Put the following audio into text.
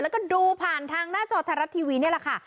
แล้วก็ดูผ่านทางหน้าจอไทยรัฐทีวีนี่แหละค่ะ